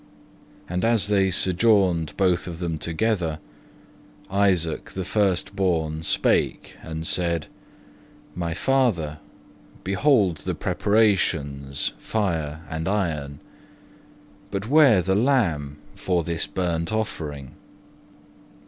And as they sojourned both of them together, Isaac the first born spake and said, My Father, Behold the preparations, fire and iron, But where the lamb for this burnt offering?